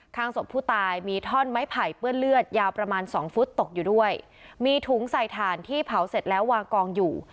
ข้างศพผู้ตายมีท่อนไม้ไผ่เปื้อนเลือดยาวประมาณสองฟุตตกอยู่ด้วยมีถุงใส่ถ่านที่เผาเสร็จแล้ววางกองอยู่